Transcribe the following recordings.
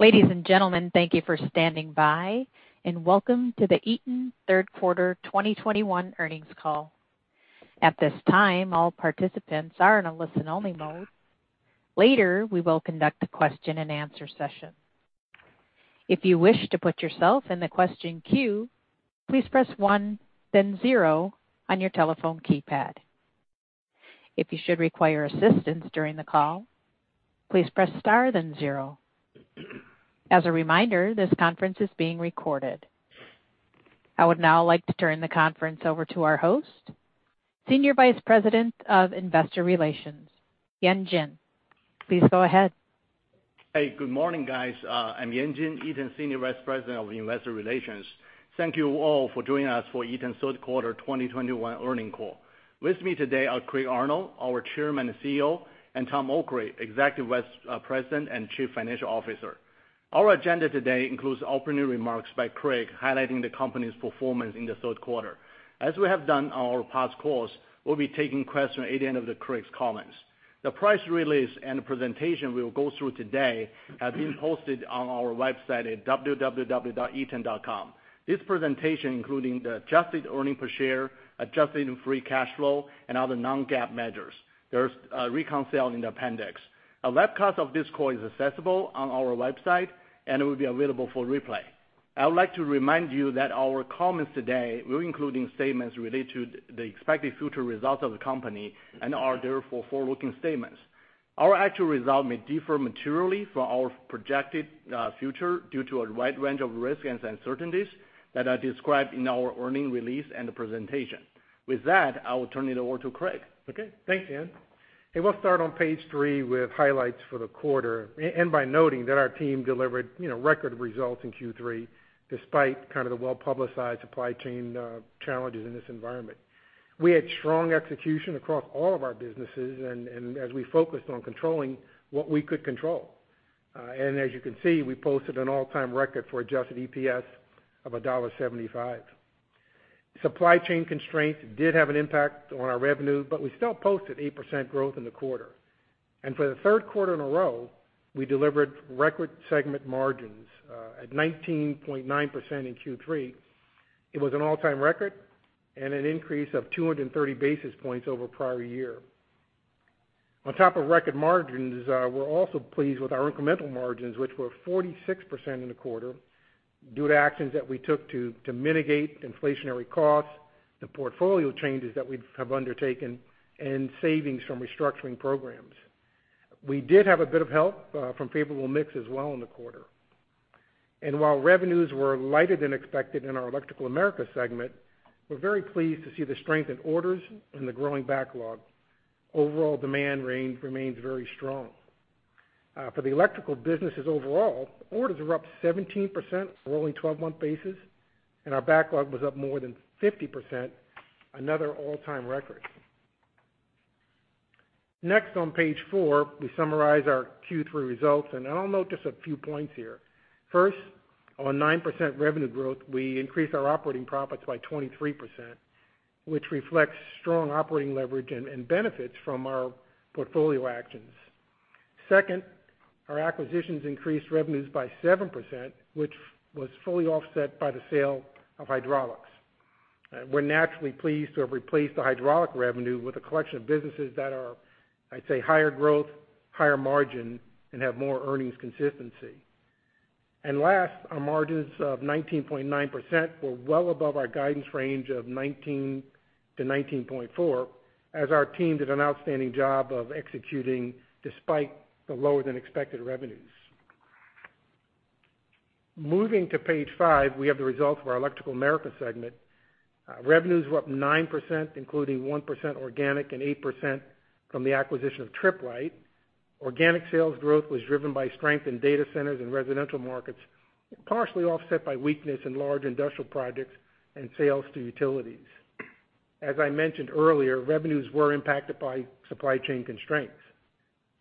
Ladies and gentlemen, thank you for standing by, and welcome to the Eaton Third Quarter 2021 earnings call. At this time, all participants are in a listen-only mode. Later, we will conduct a question-and-answer session. If you wish to put yourself in the question queue, please press one, then zero on your telephone keypad. If you should require assistance during the call, please press star then zero. As a reminder, this conference is being recorded. I would now like to turn the conference over to our host, Senior Vice President of Investor Relations, Yan Jin. Please go ahead. Hey, good morning, guys. I'm Yan Jin, Eaton's Senior Vice President of Investor Relations. Thank you all for joining us for Eaton's third quarter 2021 earnings call. With me today are Craig Arnold, our Chairman and CEO, and Tom Okray, Executive Vice President and Chief Financial Officer. Our agenda today includes opening remarks by Craig, highlighting the company's performance in the third quarter. As we have done on our past calls, we'll be taking questions at the end of Craig's comments. The press release and the presentation we'll go through today have been posted on our website at www.eaton.com. This presentation, including the adjusted earnings per share, adjusted and free cash flow, and other non-GAAP measures, has reconciliations in the appendix. A webcast of this call is accessible on our website, and it will be available for replay. I would like to remind you that our comments today will include statements related to the expected future results of the company and are therefore forward-looking statements. Our actual results may differ materially from our projected future due to a wide range of risks and uncertainties that are described in our earnings release and the presentation. With that, I will turn it over to Craig. Okay. Thanks, Yan. We'll start on page 3 with highlights for the quarter and by noting that our team delivered, you know, record results in Q3, despite kind of the well-publicized supply chain challenges in this environment. We had strong execution across all of our businesses and as we focused on controlling what we could control. As you can see, we posted an all-time record for adjusted EPS of $1.75. Supply chain constraints did have an impact on our revenue, but we still posted 8% growth in the quarter. For the third quarter in a row, we delivered record segment margins at 19.9% in Q3. It was an all-time record and an increase of 230 basis points over prior year. On top of record margins, we're also pleased with our incremental margins, which were 46% in the quarter due to actions that we took to mitigate inflationary costs, the portfolio changes that we have undertaken, and savings from restructuring programs. We did have a bit of help from favorable mix as well in the quarter. While revenues were lighter than expected in our Electrical Americas segment, we're very pleased to see the strength in orders and the growing backlog. Overall demand range remains very strong. For the electrical businesses overall, orders were up 17% rolling twelve-month basis, and our backlog was up more than 50%, another all-time record. Next on page four, we summarize our Q3 results, and I'll note just a few points here. First, on 9% revenue growth, we increased our operating profits by 23%, which reflects strong operating leverage and benefits from our portfolio actions. Second, our acquisitions increased revenues by 7%, which was fully offset by the sale of hydraulics. We're naturally pleased to have replaced the hydraulic revenue with a collection of businesses that are, I'd say, higher growth, higher margin, and have more earnings consistency. Last, our margins of 19.9% were well above our guidance range of 19%-19.4% as our team did an outstanding job of executing despite the lower than expected revenues. Moving to page five, we have the results of our Electrical Americas segment. Revenues were up 9%, including 1% organic and 8% from the acquisition of Tripp Lite. Organic sales growth was driven by strength in data centers and residential markets, partially offset by weakness in large industrial projects and sales to utilities. As I mentioned earlier, revenues were impacted by supply chain constraints.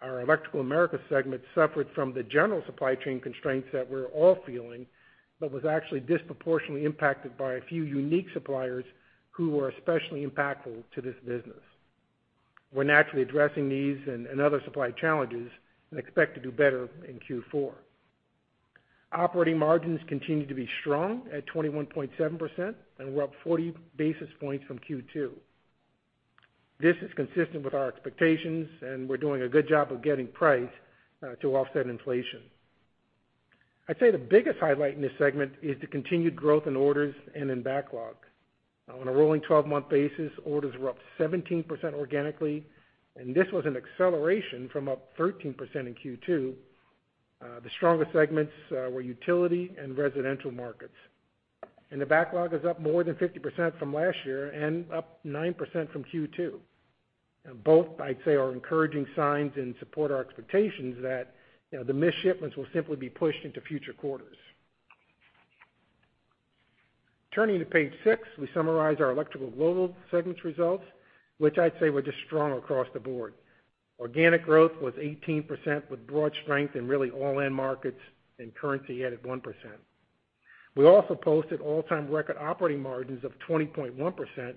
Our Electrical Americas segment suffered from the general supply chain constraints that we're all feeling, but was actually disproportionately impacted by a few unique suppliers who were especially impactful to this business. We're naturally addressing these and other supply challenges and expect to do better in Q4. Operating margins continue to be strong at 21.7% and we're up 40 basis points from Q2. This is consistent with our expectations, and we're doing a good job of getting price to offset inflation. I'd say the biggest highlight in this segment is the continued growth in orders and in backlog. On a rolling twelve-month basis, orders were up 17% organically, and this was an acceleration from up 13% in Q2. The strongest segments were utility and residential markets. The backlog is up more than 50% from last year and up 9% from Q2. Both I'd say are encouraging signs and support our expectations that, you know, the missed shipments will simply be pushed into future quarters. Turning to page 6, we summarize our Electrical Global segment's results, which I'd say were just strong across the board. Organic growth was 18% with broad strength in really all end markets and currency added 1%. We also posted all-time record operating margins of 20.1%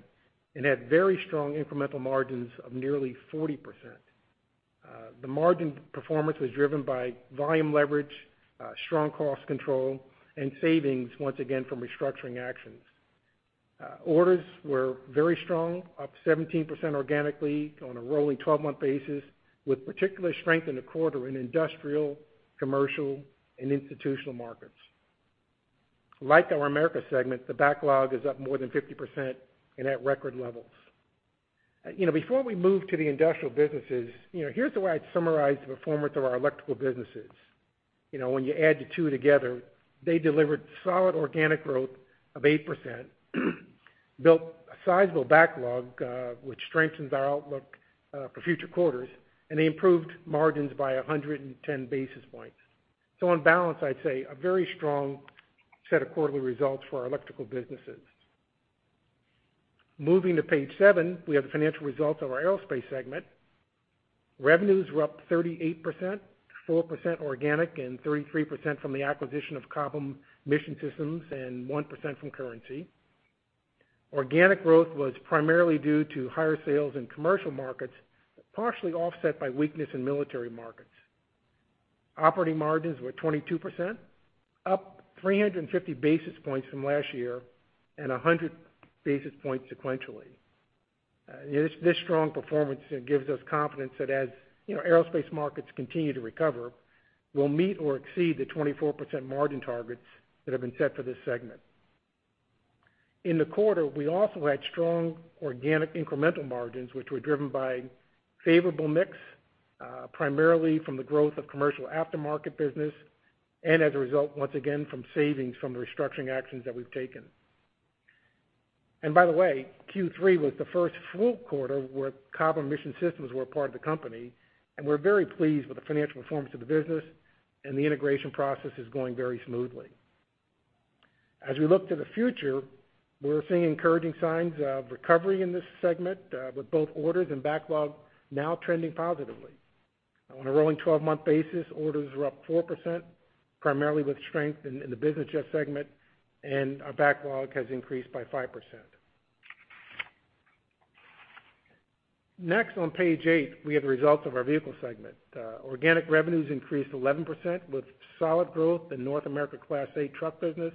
and had very strong incremental margins of nearly 40%. The margin performance was driven by volume leverage, strong cost control and savings, once again, from restructuring actions. Orders were very strong, up 17% organically on a rolling twelve-month basis, with particular strength in the quarter in industrial, commercial, and institutional markets. Like our Electrical Americas segment, the backlog is up more than 50% and at record levels. You know, before we move to the industrial businesses, you know, here's the way I'd summarize the performance of our electrical businesses. You know, when you add the two together, they delivered solid organic growth of 8%, built a sizable backlog, which strengthens our outlook for future quarters, and they improved margins by 110 basis points. On balance, I'd say a very strong set of quarterly results for our electrical businesses. Moving to page seven, we have the financial results of our aerospace segment. Revenues were up 38%, 4% organic and 33% from the acquisition of Cobham Mission Systems, and 1% from currency. Organic growth was primarily due to higher sales in commercial markets, partially offset by weakness in military markets. Operating margins were 22%, up 350 basis points from last year and 100 basis points sequentially. This strong performance gives us confidence that as you know, aerospace markets continue to recover, we'll meet or exceed the 24% margin targets that have been set for this segment. In the quarter, we also had strong organic incremental margins, which were driven by favorable mix, primarily from the growth of commercial aftermarket business and as a result, once again, from savings from the restructuring actions that we've taken. By the way, Q3 was the first full quarter where Cobham Mission Systems were a part of the company, and we're very pleased with the financial performance of the business and the integration process is going very smoothly. As we look to the future, we're seeing encouraging signs of recovery in this segment, with both orders and backlog now trending positively. On a rolling 12-month basis, orders are up 4%, primarily with strength in the business jet segment, and our backlog has increased by 5%. Next, on page 8, we have the results of our vehicle segment. Organic revenues increased 11% with solid growth in North America Class 8 truck business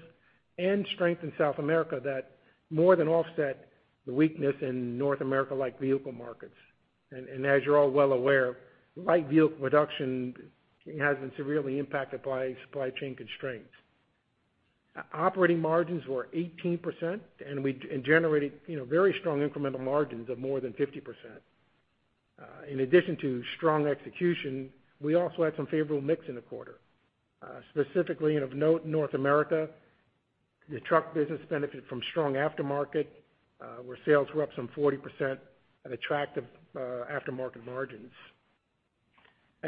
and strength in South America that more than offset the weakness in North America light vehicle markets. As you're all well aware, light vehicle production has been severely impacted by supply chain constraints. Operating margins were 18%, and we generated, you know, very strong incremental margins of more than 50%. In addition to strong execution, we also had some favorable mix in the quarter. Specifically in North America, the truck business benefited from strong aftermarket, where sales were up some 40% at attractive aftermarket margins.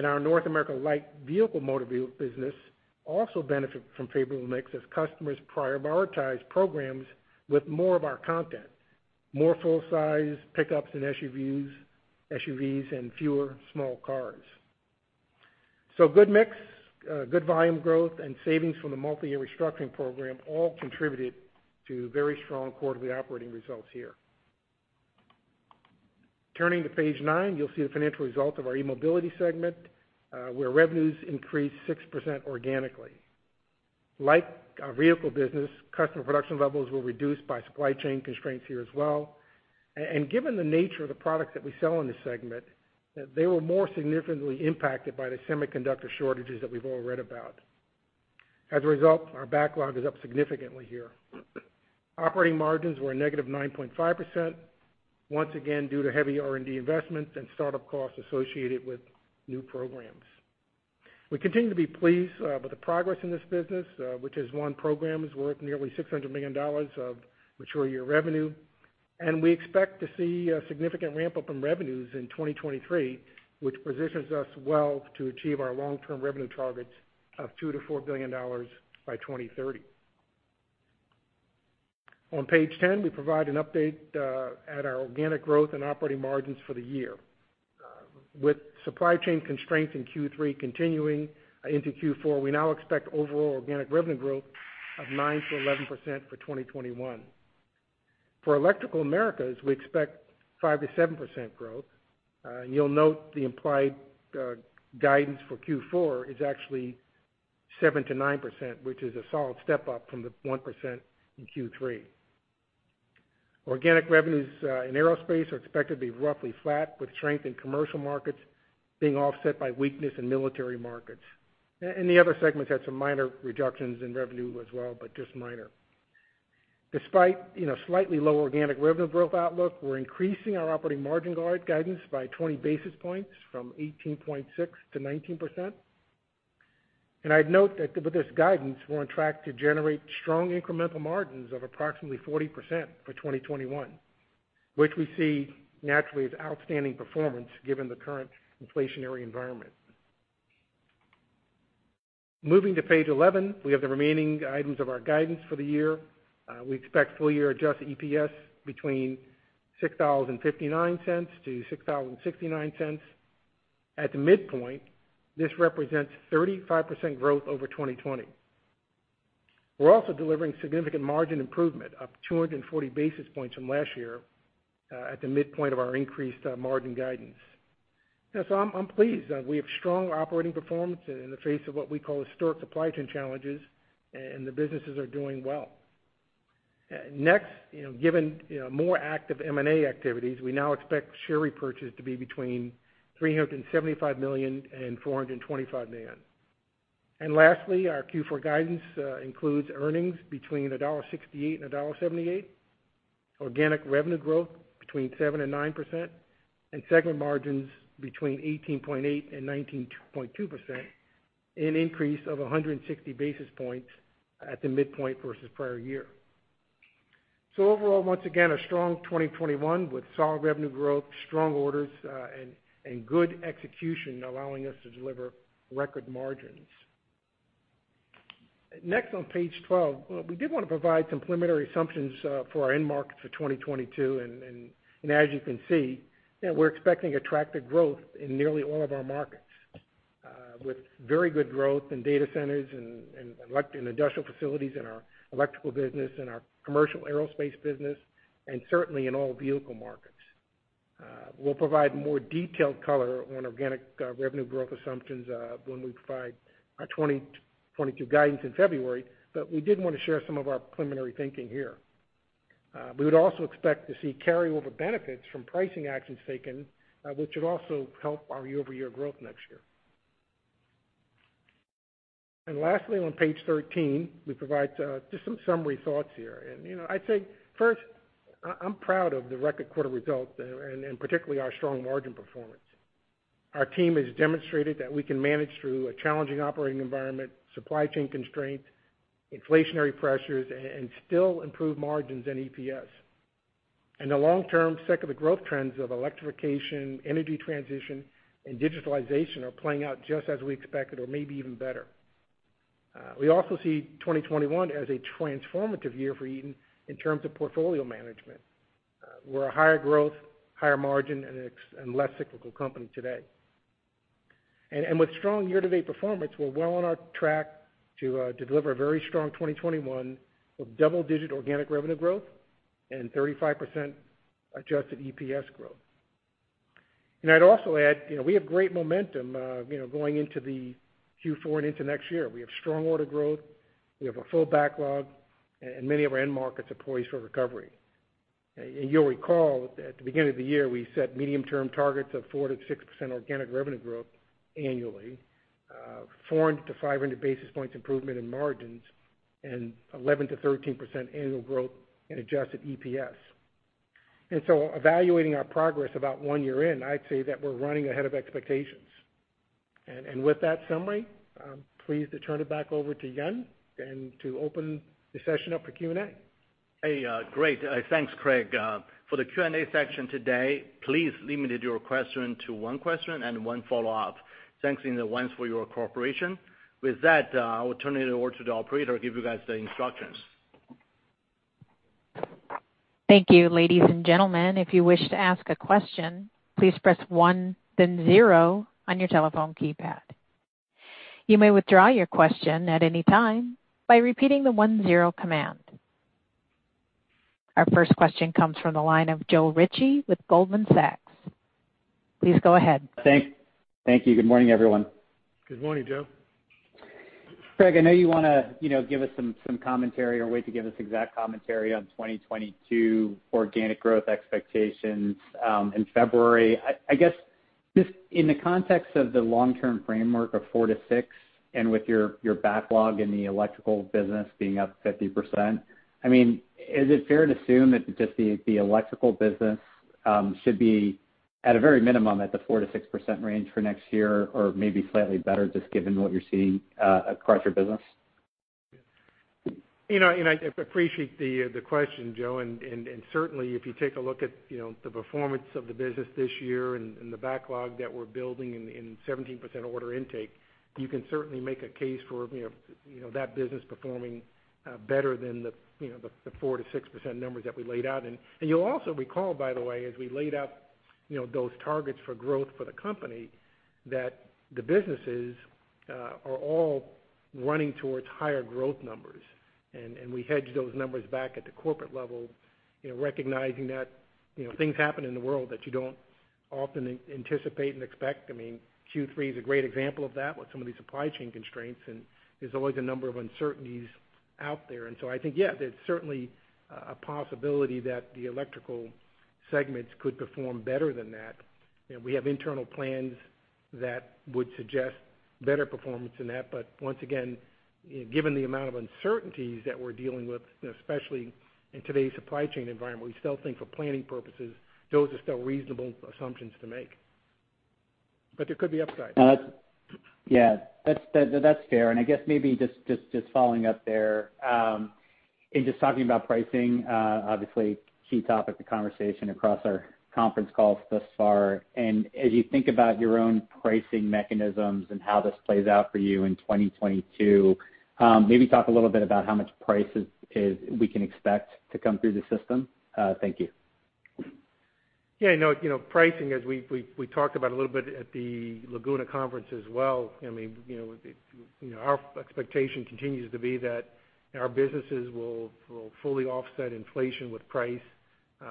Our North America light vehicle motor vehicle business also benefited from favorable mix as customers prioritized programs with more of our content, more full-size pickups and SUVs, and fewer small cars. Good mix, good volume growth, and savings from the multi-year restructuring program all contributed to very strong quarterly operating results here. Turning to page nine, you'll see the financial results of our e-mobility segment, where revenues increased 6% organically. Like our vehicle business, customer production levels were reduced by supply chain constraints here as well. And given the nature of the products that we sell in this segment, they were more significantly impacted by the semiconductor shortages that we've all read about. As a result, our backlog is up significantly here. Operating margins were a negative 9.5%, once again due to heavy R&D investments and start-up costs associated with new programs. We continue to be pleased with the progress in this business, which has won programs worth nearly $600 million of mature year revenue. We expect to see a significant ramp-up in revenues in 2023, which positions us well to achieve our long-term revenue targets of $2 billion-$4 billion by 2030. On page 10, we provide an update on our organic growth and operating margins for the year. With supply chain constraints in Q3 continuing into Q4, we now expect overall organic revenue growth of 9%-11% for 2021. For Electrical Americas, we expect 5%-7% growth. You'll note the implied guidance for Q4 is actually 7%-9%, which is a solid step-up from the 1% in Q3. Organic revenues in aerospace are expected to be roughly flat with strength in commercial markets being offset by weakness in military markets. The other segments had some minor reductions in revenue as well, but just minor. Despite you know, slightly lower organic revenue growth outlook, we're increasing our operating margin guidance by 20 basis points from 18.6%-19%. I'd note that with this guidance, we're on track to generate strong incremental margins of approximately 40% for 2021, which we see naturally as outstanding performance given the current inflationary environment. Moving to page 11, we have the remaining items of our guidance for the year. We expect full year adjusted EPS between $6.59-$6.69. At the midpoint, this represents 35% growth over 2020. We're also delivering significant margin improvement, up 240 basis points from last year at the midpoint of our increased margin guidance. Yes, I'm pleased. We have strong operating performance in the face of what we call historic supply chain challenges, and the businesses are doing well. Next, you know, given, you know, more active M&A activities, we now expect share repurchase to be between $375 million and $425 million. Lastly, our Q4 guidance includes earnings between $1.68 and $1.78, organic revenue growth between 7% and 9%, and segment margins between 18.8% and 19.2%, an increase of 160 basis points at the midpoint versus prior year. Overall, once again, a strong 2021 with solid revenue growth, strong orders, and good execution allowing us to deliver record margins. Next on page 12, well, we did want to provide some preliminary assumptions for our end markets for 2022, and as you can see, you know, we're expecting attractive growth in nearly all of our markets with very good growth in data centers and electric and industrial facilities in our electrical business and our commercial aerospace business, and certainly in all vehicle markets. We'll provide more detailed color on organic revenue growth assumptions when we provide our 2022 guidance in February, but we did want to share some of our preliminary thinking here. We would also expect to see carryover benefits from pricing actions taken, which would also help our year-over-year growth next year. Lastly on page 13, we provide just some summary thoughts here. You know, I'd say first, I'm proud of the record quarter results and particularly our strong margin performance. Our team has demonstrated that we can manage through a challenging operating environment, supply chain constraints, inflationary pressures, and still improve margins and EPS. In the long term, secular growth trends of electrification, energy transition, and digitalization are playing out just as we expected or maybe even better. We also see 2021 as a transformative year for Eaton in terms of portfolio management. We're a higher growth, higher margin, and less cyclical company today. With strong year-to-date performance, we're well on our track to deliver a very strong 2021 of double-digit organic revenue growth and 35% Adjusted EPS growth. I'd also add, you know, we have great momentum, you know, going into the Q4 and into next year. We have strong order growth, we have a full backlog, and many of our end markets are poised for recovery. You'll recall at the beginning of the year, we set medium-term targets of 4%-6% organic revenue growth annually, 400-500 basis points improvement in margins, and 11%-13% annual growth in adjusted EPS. Evaluating our progress about one year in, I'd say that we're running ahead of expectations. With that summary, I'm pleased to turn it back over to Yan and to open the session up for Q&A. Hey, great. Thanks, Craig. For the Q&A section today, please limit your question to one question and one follow-up. Thanks in advance for your cooperation. With that, I will turn it over to the operator to give you guys the instructions. Thank you, ladies and gentlemen. If you would like to ask a question, please press 1, then 0 on your telephone keypad. You may withdraw your question at any time by repeating the 1-0 command. Our First question comes from the line of Joe Ritchie with Goldman Sachs. Please go a head. Thank you. Good morning, everyone. Good morning, Joe. Craig, I know you wanna, you know, give us some commentary or wait to give us exact commentary on 2022 organic growth expectations in February. I guess just in the context of the long-term framework of 4%-6% and with your backlog in the electrical business being up 50%, I mean, is it fair to assume that just the electrical business should be at a very minimum at the 4%-6% range for next year or maybe slightly better just given what you're seeing across your business? You know, I appreciate the question, Joe, and certainly if you take a look at, you know, the performance of the business this year and the backlog that we're building and 17% order intake, you can certainly make a case for, you know, that business performing better than the, you know, the 4%-6% numbers that we laid out. You'll also recall by the way, as we laid out, you know, those targets for growth for the company, that the businesses are all running towards higher growth numbers. We hedge those numbers back at the corporate level, you know, recognizing that, you know, things happen in the world that you don't often anticipate and expect. I mean, Q3 is a great example of that with some of these supply chain constraints, and there's always a number of uncertainties out there. I think, yeah, there's certainly a possibility that the electrical segments could perform better than that. You know, we have internal plans that would suggest better performance than that. Once again, given the amount of uncertainties that we're dealing with, especially in today's supply chain environment, we still think for planning purposes, those are still reasonable assumptions to make. There could be upside. Yeah, that's fair. I guess maybe just following up there, and just talking about pricing, obviously key topic of conversation across our conference calls thus far. As you think about your own pricing mechanisms and how this plays out for you in 2022, maybe talk a little bit about how much pricing we can expect to come through the system. Thank you. Yeah, you know, pricing as we talked about a little bit at the Laguna Conference as well. I mean, you know, our expectation continues to be that our businesses will fully offset inflation with price.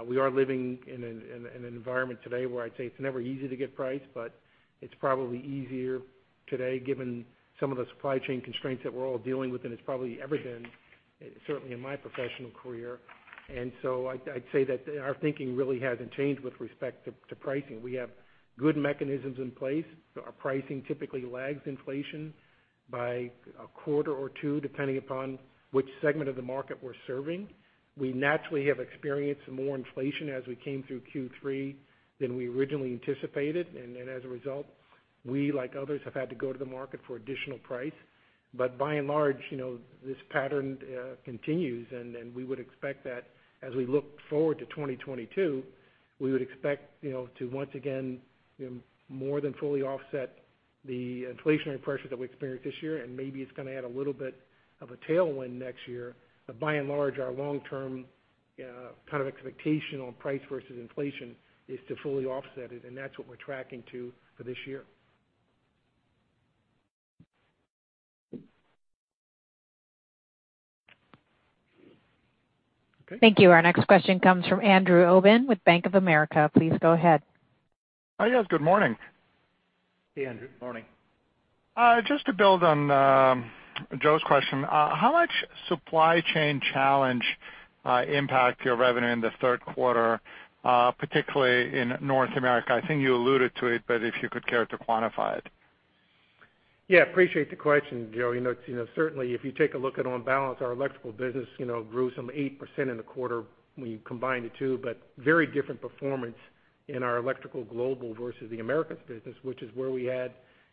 We are living in an environment today where I'd say it's never easy to get price, but it's probably easier today given some of the supply chain constraints that we're all dealing with than it's probably ever been, certainly in my professional career. I'd say that our thinking really hasn't changed with respect to pricing. We have good mechanisms in place. Our pricing typically lags inflation by a quarter or two, depending upon which segment of the market we're serving. We naturally have experienced more inflation as we came through Q3 than we originally anticipated. As a result, we, like others, have had to go to the market for additional price. By and large, you know, this pattern continues, and then we would expect that as we look forward to 2022, you know, to once again, you know, more than fully offset the inflationary pressure that we experienced this year, and maybe it's gonna add a little bit of a tailwind next year. By and large, our long-term kind of expectational price versus inflation is to fully offset it, and that's what we're tracking to for this year. Thank you. Our next question comes from Andrew Obin with Bank of America. Please go ahead. Hi, yes, good morning. Hey, Andrew. Morning. Just to build on Joe's question, how much supply chain challenge impact your revenue in the third quarter, particularly in North America? I think you alluded to it, but if you could care to quantify it. Yeah, appreciate the question, Joe. You know, certainly if you take a look at on balance, our electrical business, you know, grew some 8% in the quarter when you combine the two, but very different performance in our Electrical Global versus the Electrical Americas business, which is where we had,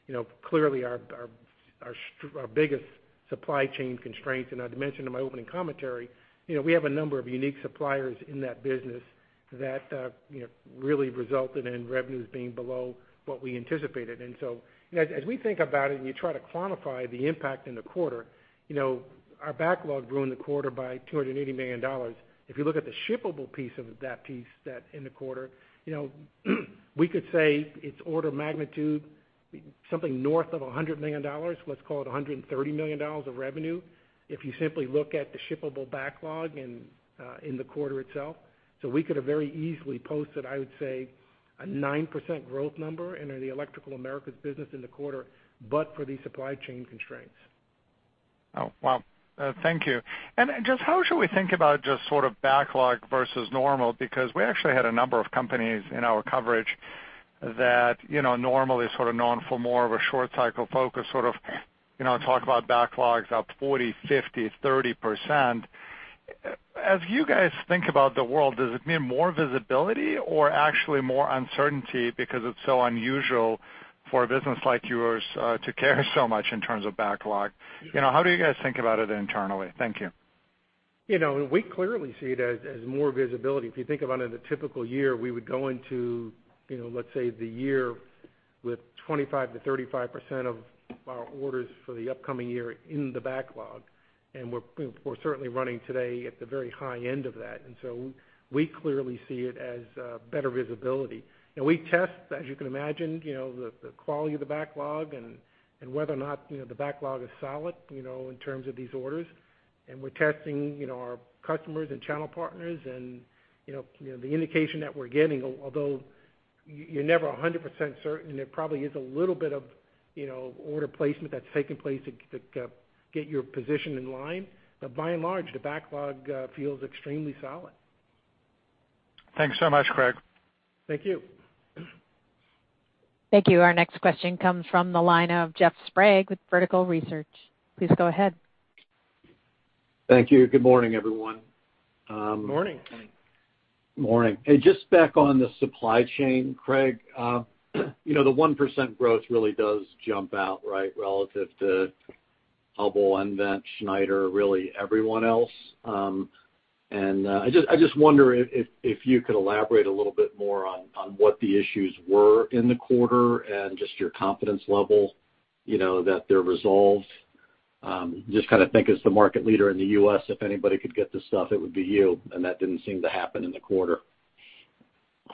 you know, clearly our biggest supply chain constraints. I'd mentioned in my opening commentary, you know, we have a number of unique suppliers in that business that, you know, really resulted in revenues being below what we anticipated. You know, as we think about it, and you try to quantify the impact in the quarter, you know, our backlog grew in the quarter by $280 million. If you look at the shippable piece of that piece, that in the quarter, you know, we could say it's order of magnitude, something north of $100 million. Let's call it $130 million of revenue, if you simply look at the shippable backlog in the quarter itself. We could have very easily posted, I would say, a 9% growth number under the Electrical Americas business in the quarter, but for the supply chain constraints. Oh, wow. Thank you. Just how should we think about just sort of backlog versus normal? Because we actually had a number of companies in our coverage that, you know, normally sort of known for more of a short cycle focus, sort of, you know, talk about backlogs up 40%, 50%, 30%. As you guys think about the world, does it mean more visibility or actually more uncertainty because it's so unusual for a business like yours to care so much in terms of backlog? You know, how do you guys think about it internally? Thank you. You know, we clearly see it as more visibility. If you think about in a typical year, we would go into, you know, let's say, the year with 25%-35% of our orders for the upcoming year in the backlog. We're certainly running today at the very high end of that. We clearly see it as better visibility. We test, as you can imagine, you know, the quality of the backlog and whether or not, you know, the backlog is solid, you know, in terms of these orders. We're testing, you know, our customers and channel partners and, you know, the indication that we're getting, although you're never 100% certain, there probably is a little bit of, you know, order placement that's taking place to get your position in line. By and large, the backlog feels extremely solid. Thanks so much, Craig. Thank you. Thank you. Our next question comes from the line of Jeff Sprague with Vertical Research. Please go ahead. Thank you. Good morning, everyone. Morning. Morning. Hey, just back on the supply chain, Craig. You know, the 1% growth really does jump out, right, relative to Hubbell, nVent, Schneider, really everyone else. I just wonder if you could elaborate a little bit more on what the issues were in the quarter and just your confidence level, you know, that they're resolved. I just kinda think as the market leader in the U.S., if anybody could get this stuff, it would be you, and that didn't seem to happen in the quarter. Yeah,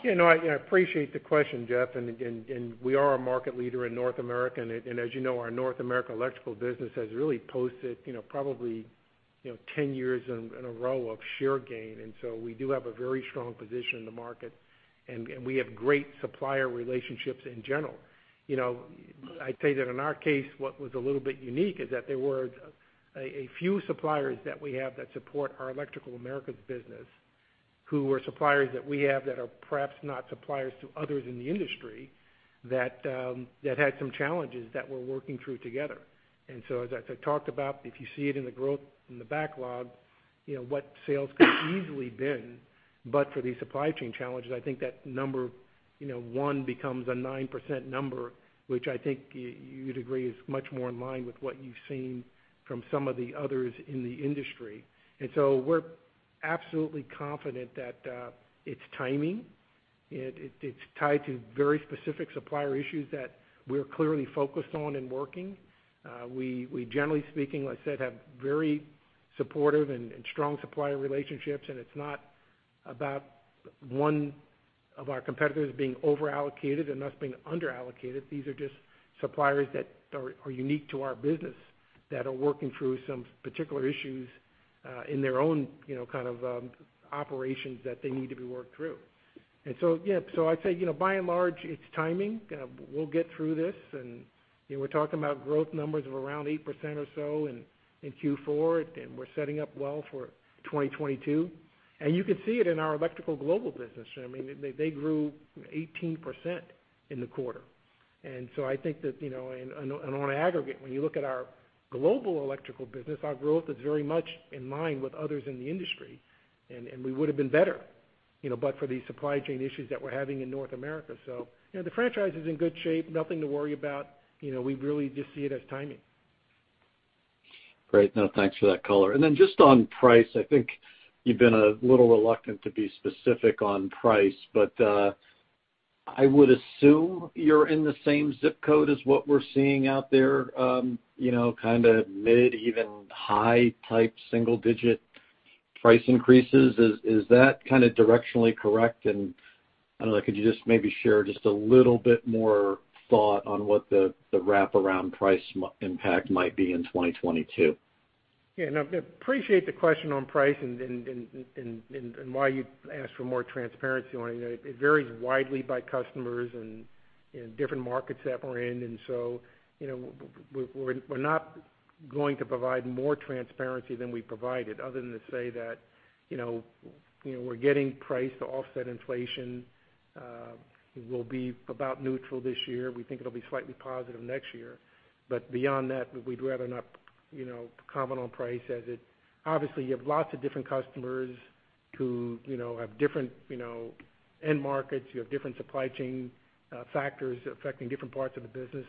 no, I you know appreciate the question, Jeff. We are a market leader in North America. As you know, our North America Electrical business has really posted, you know, probably, you know, 10 years in a row of share gain. We do have a very strong position in the market, and we have great supplier relationships in general. You know, I'd say that in our case, what was a little bit unique is that there were a few suppliers that we have that support our Electrical Americas business, who were suppliers that we have that are perhaps not suppliers to others in the industry, that that had some challenges that we're working through together. As I talked about, if you see it in the growth in the backlog, you know, what sales could have easily been, but for these supply chain challenges, I think that number, you know, 1 becomes a 9% number, which I think you'd agree is much more in line with what you've seen from some of the others in the industry. We're absolutely confident that it's timing. It's tied to very specific supplier issues that we're clearly focused on and working. We generally speaking, like I said, have very supportive and strong supplier relationships, and it's not about one of our competitors being over-allocated and us being under-allocated. These are just suppliers that are unique to our business that are working through some particular issues in their own, you know, kind of, operations that they need to be worked through. Yeah, so I'd say, you know, by and large, it's timing. We'll get through this. You know, we're talking about growth numbers of around 8% or so in Q4, and we're setting up well for 2022. You could see it in our Electrical Global business. I mean, they grew 18% in the quarter. I think that, you know, and on aggregate, when you look at our Electrical Global business, our growth is very much in line with others in the industry. We would have been better, you know, but for these supply chain issues that we're having in North America. You know, the franchise is in good shape. Nothing to worry about. You know, we really just see it as timing. Great. No, thanks for that color. Then just on price, I think you've been a little reluctant to be specific on price, but I would assume you're in the same zip code as what we're seeing out there, you know, kinda mid, even high type single digit price increases. Is that kinda directionally correct? I don't know, could you just maybe share just a little bit more thought on what the wraparound price mix impact might be in 2022? Yeah, no, appreciate the question on pricing and why you ask for more transparency on it. It varies widely by customers and in different markets that we're in. You know, we're not going to provide more transparency than we provided, other than to say that, you know, we're getting price to offset inflation. We will be about neutral this year. We think it'll be slightly positive next year. But beyond that, we'd rather not, you know, comment on price. Obviously, you have lots of different customers who, you know, have different, you know, end markets. You have different supply chain factors affecting different parts of the business.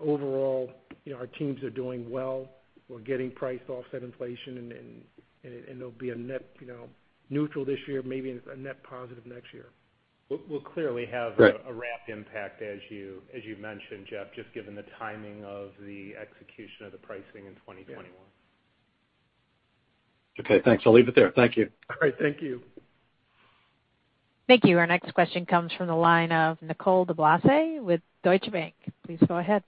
Overall, you know, our teams are doing well. We're getting price to offset inflation and it'll be a net, you know, neutral this year, maybe a net positive next year. We'll clearly have. Right... a wrapped impact as you mentioned, Jeff, just given the timing of the execution of the pricing in 2021. Yeah. Okay, thanks. I'll leave it there. Thank you. All right, thank you. Thank you. Our next question comes from the line of Nicole DeBlase with Deutsche Bank. Please go ahead.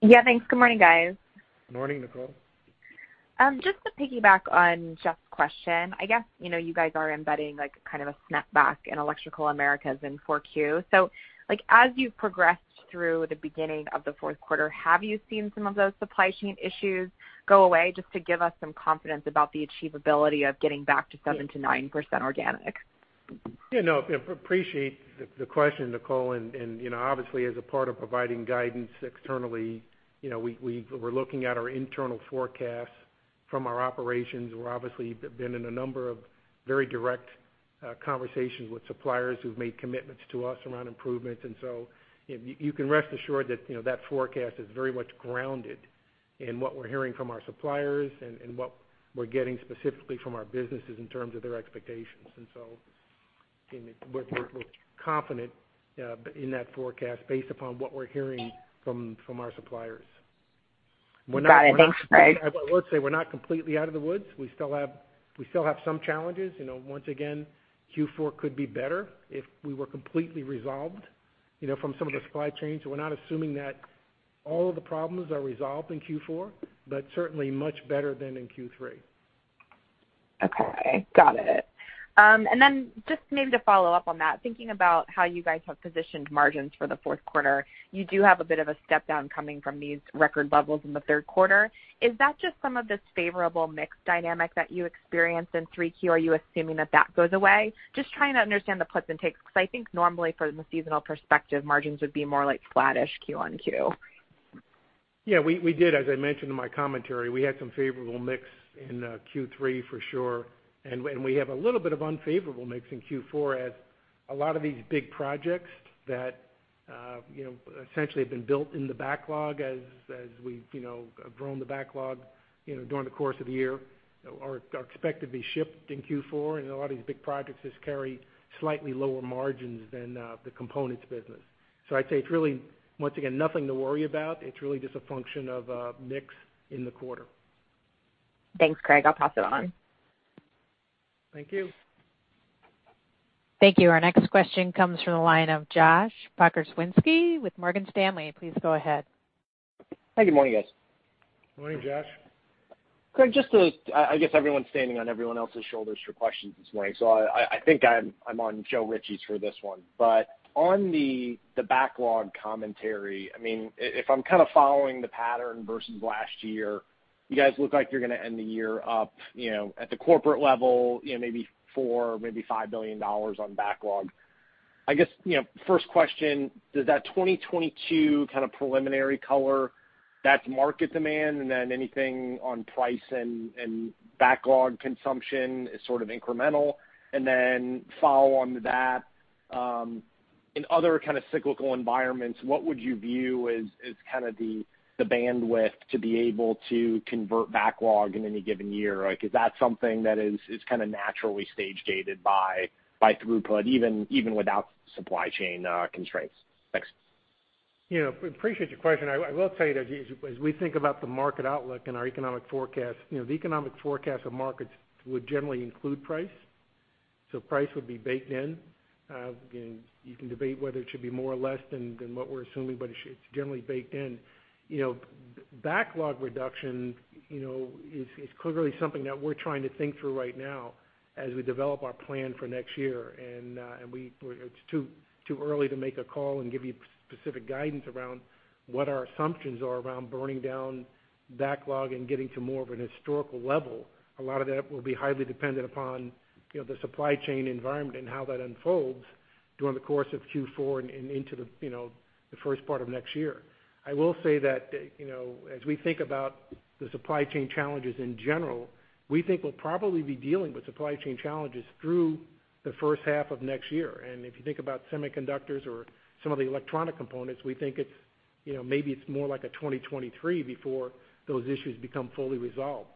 Yeah, thanks. Good morning, guys. Good morning, Nicole. Just to piggyback on Jeff's question, I guess, you know, you guys are embedding like kind of a snapback in Electrical Americas in Q4. Like, as you've progressed through the beginning of the fourth quarter, have you seen some of those supply chain issues go away, just to give us some confidence about the achievability of getting back to 7%-9% organic? Yeah, no, appreciate the question, Nicole. You know, obviously as a part of providing guidance externally, you know, we're looking at our internal forecasts from our operations. We're obviously been in a number of very direct conversations with suppliers who've made commitments to us around improvements. You can rest assured that, you know, that forecast is very much grounded in what we're hearing from our suppliers and what we're getting specifically from our businesses in terms of their expectations. I mean, we're confident in that forecast based upon what we're hearing from our suppliers. We're not- Got it. Thanks, Craig. I will say we're not completely out of the woods. We still have some challenges. You know, once again, Q4 could be better if we were completely resolved, you know, from some of the supply chains. We're not assuming that all of the problems are resolved in Q4, but certainly much better than in Q3. Okay. Got it. Just maybe to follow up on that, thinking about how you guys have positioned margins for the fourth quarter, you do have a bit of a step down coming from these record levels in the third quarter. Is that just some of this favorable mix dynamic that you experienced in 3Q, or are you assuming that goes away? Just trying to understand the puts and takes, 'cause I think normally from a seasonal perspective, margins would be more like flattish Q on Q. Yeah, we did, as I mentioned in my commentary, we had some favorable mix in Q3 for sure. When we have a little bit of unfavorable mix in Q4, as a lot of these big projects that you know, essentially have been built in the backlog as we've you know, grown the backlog, you know, during the course of the year are expected to be shipped in Q4. A lot of these big projects just carry slightly lower margins than the components business. I'd say it's really, once again, nothing to worry about. It's really just a function of mix in the quarter. Thanks, Craig. I'll pass it on. Thank you. Thank you. Our next question comes from the line of Josh Pokrzywinski with Morgan Stanley. Please go ahead. Hi, good morning, guys. Morning, Josh. Craig, just to, I guess everyone's standing on everyone else's shoulders for questions this morning. I think I'm on Joe Ritchie's for this one. On the backlog commentary, I mean, if I'm kind of following the pattern versus last year, you guys look like you're gonna end the year up, you know, at the corporate level, you know, maybe $4 billion-$5 billion on backlog. I guess, you know, first question, does that 2022 kind of preliminary color that's market demand, and then anything on price and backlog consumption is sort of incremental? Follow on to that, in other kind of cyclical environments, what would you view as kind of the bandwidth to be able to convert backlog in any given year? Like is that something that is kinda naturally stage-gated by throughput, even without supply chain constraints? Thanks. You know, appreciate your question. I will tell you that as we think about the market outlook and our economic forecast, you know, the economic forecast of markets would generally include price. So price would be baked in. And you can debate whether it should be more or less than what we're assuming, but it's generally baked in. You know, backlog reduction, you know, is clearly something that we're trying to think through right now as we develop our plan for next year. It's too early to make a call and give you specific guidance around what our assumptions are around burning down backlog and getting to more of an historical level. A lot of that will be highly dependent upon, you know, the supply chain environment and how that unfolds during the course of Q4 and into the, you know, the first part of next year. I will say that, you know, as we think about the supply chain challenges in general, we think we'll probably be dealing with supply chain challenges through the first half of next year. If you think about semiconductors or some of the electronic components, we think it's, you know, maybe it's more like 2023 before those issues become fully resolved.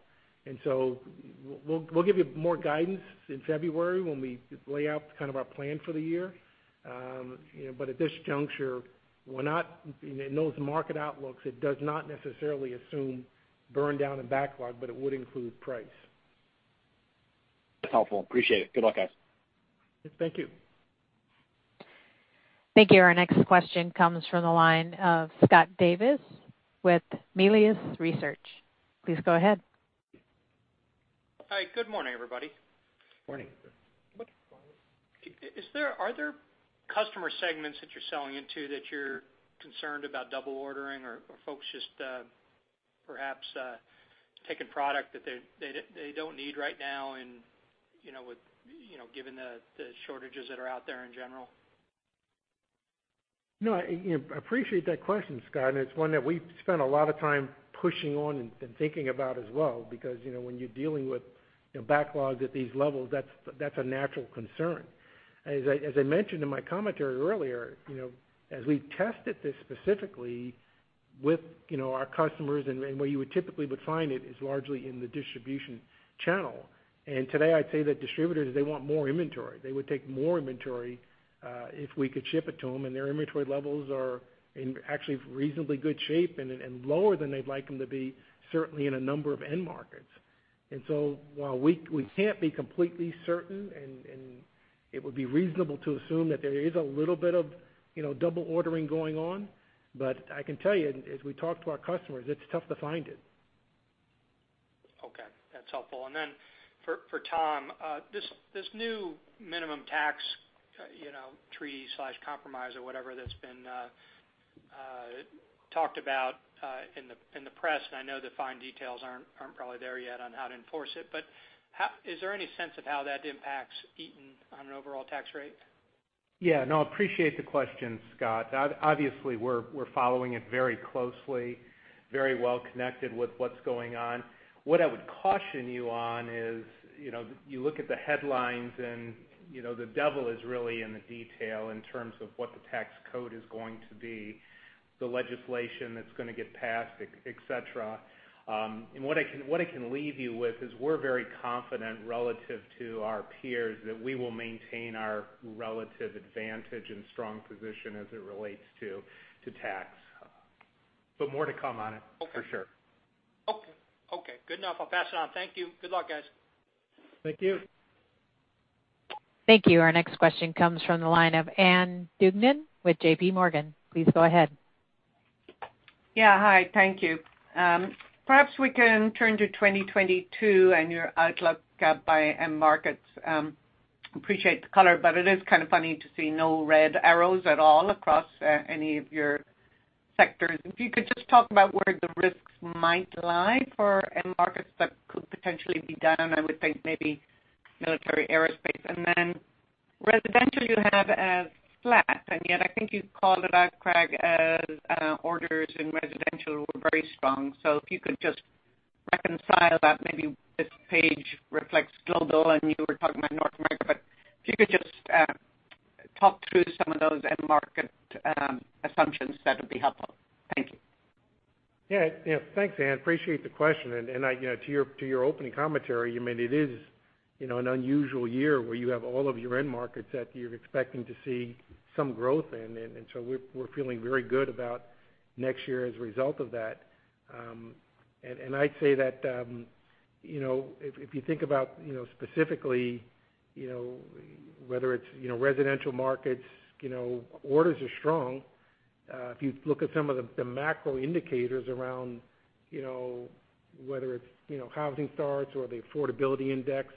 We'll give you more guidance in February when we lay out kind of our plan for the year. At this juncture, we're not. In those market outlooks, it does not necessarily assume burn down and backlog, but it would include price. That's helpful. Appreciate it. Good luck, guys. Thank you. Thank you. Our next question comes from the line of Scott Davis with Melius Research. Please go ahead. Hi. Good morning, everybody. Morning. Are there customer segments that you're selling into that you're concerned about double ordering or folks just perhaps taking product that they don't need right now, you know, with, you know, given the shortages that are out there in general? No. You know, appreciate that question, Scott, and it's one that we've spent a lot of time pushing on and thinking about as well because, you know, when you're dealing with, you know, backlogs at these levels, that's a natural concern. As I mentioned in my commentary earlier, you know, as we tested this specifically with, you know, our customers and where you would typically find it is largely in the distribution channel. Today, I'd say that distributors, they want more inventory. They would take more inventory if we could ship it to them, and their inventory levels are actually in reasonably good shape and lower than they'd like them to be certainly in a number of end markets. While we can't be completely certain, and it would be reasonable to assume that there is a little bit of, you know, double ordering going on, but I can tell you, as we talk to our customers, it's tough to find it. Okay. That's helpful. Then for Tom, this new minimum tax, you know, treaty/compromise or whatever that's been talked about in the press, and I know the fine details aren't probably there yet on how to enforce it. But is there any sense of how that impacts Eaton on an overall tax rate? Yeah. No, appreciate the question, Scott. Obviously, we're following it very closely, very well connected with what's going on. What I would caution you on is, you know, you look at the headlines, and, you know, the devil is really in the detail in terms of what the tax code is going to be, the legislation that's gonna get passed, et cetera. What I can leave you with is we're very confident relative to our peers that we will maintain our relative advantage and strong position as it relates to tax. More to come on it. Okay. For sure. Okay. Good enough. I'll pass it on. Thank you. Good luck, guys. Thank you. Thank you. Our next question comes from the line of Ann Duignan with JPMorgan. Please go ahead. Yeah. Hi. Thank you. Perhaps we can turn to 2022 and your outlook by end markets. Appreciate the color, but it is kind of funny to see no red arrows at all across any of your sectors. If you could just talk about where the risks might lie for end markets that could potentially be down. I would think maybe military aerospace. Then residential, you have it as flat, and yet I think you called it out, Craig, as orders in residential were very strong. If you could just reconcile that. Maybe this page reflects global, and you were talking about North America. If you could just talk through some of those end market assumptions, that would be helpful. Thank you. Thanks, Anne. Appreciate the question. To your opening commentary, I mean, it is, you know, an unusual year where you have all of your end markets that you're expecting to see some growth in. So we're feeling very good about next year as a result of that. I'd say that, you know, if you think about, you know, specifically, you know, whether it's, you know, residential markets, you know, orders are strong. If you look at some of the macro indicators around, you know, whether it's, you know, housing starts or the affordability index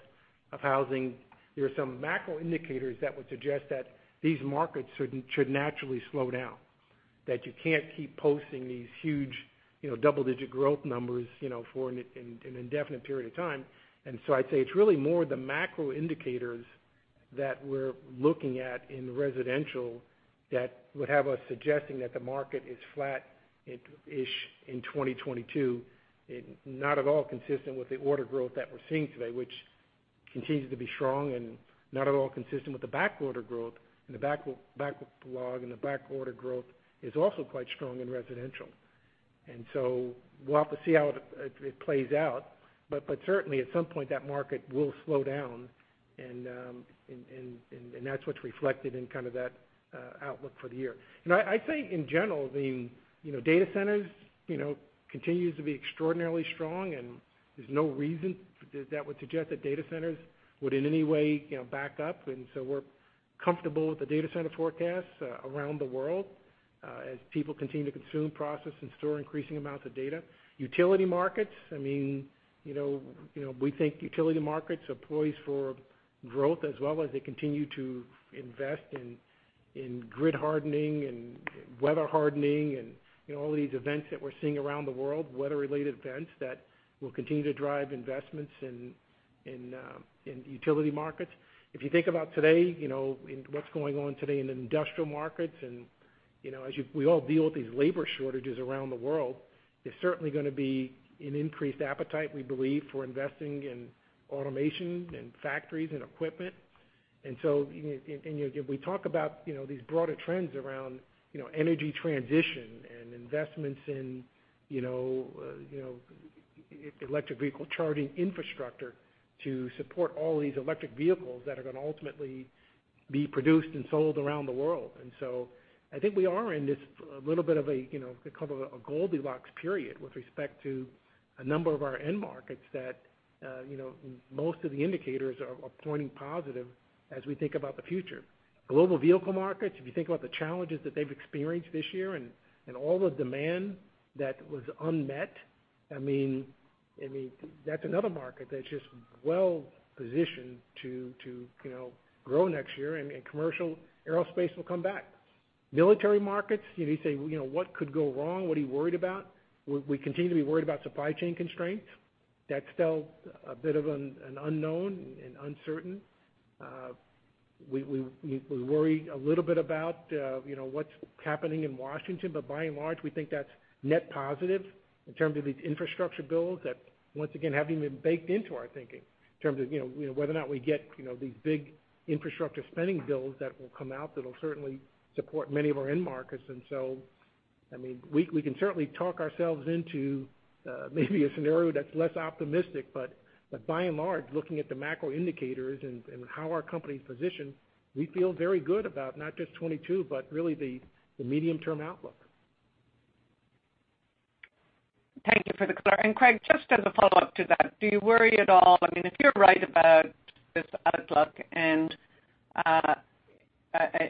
of housing, there are some macro indicators that would suggest that these markets should naturally slow down, that you can't keep posting these huge, you know, double-digit growth numbers, you know, for an indefinite period of time. I'd say it's really more the macro indicators that we're looking at in residential that would have us suggesting that the market is flat-ish in 2022, and not at all consistent with the order growth that we're seeing today, which continues to be strong and not at all consistent with the back order growth and the backlog and the back order growth is also quite strong in residential. We'll have to see how it plays out. Certainly at some point, that market will slow down and that's what's reflected in kind of that outlook for the year. I think in general, you know, data centers continues to be extraordinarily strong, and there's no reason that would suggest that data centers would in any way, you know, back up. We're comfortable with the data center forecasts around the world, as people continue to consume, process, and store increasing amounts of data. Utility markets, I mean, you know, we think utility markets are poised for growth as well as they continue to invest in grid hardening and weather hardening and, you know, all these events that we're seeing around the world, weather-related events that will continue to drive investments in utility markets. If you think about today, you know, and what's going on today in industrial markets, and, you know, we all deal with these labor shortages around the world, there's certainly gonna be an increased appetite, we believe, for investing in automation and factories and equipment. You know, and, you know, we talk about, you know, these broader trends around, you know, energy transition and investments in, you know, you know, electric vehicle charging infrastructure to support all these electric vehicles that are gonna ultimately be produced and sold around the world. I think we are in this little bit of a, you know, they call it a Goldilocks period with respect to a number of our end markets that, you know, most of the indicators are pointing positive as we think about the future. Global vehicle markets, if you think about the challenges that they've experienced this year and all the demand that was unmet, I mean, that's another market that's just well-positioned to you know grow next year, and commercial aerospace will come back. Military markets, you say, you know, "What could go wrong? What are you worried about?" We continue to be worried about supply chain constraints. That's still a bit of an unknown and uncertain. We worry a little bit about you know what's happening in Washington, but by and large, we think that's net positive in terms of these infrastructure bills that once again haven't even baked into our thinking in terms of you know whether or not we get you know these big infrastructure spending bills that will come out that'll certainly support many of our end markets. I mean, we can certainly talk ourselves into maybe a scenario that's less optimistic, but by and large, looking at the macro indicators and how our company's positioned, we feel very good about not just 2022, but really the medium-term outlook. Thank you. Craig, just as a follow-up to that, do you worry at all? I mean, if you're right about this outlook and,